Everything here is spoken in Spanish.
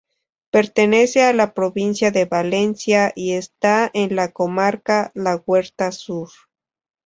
Pertenece a la provincia de Valencia y está en la comarca la Huerta Sur.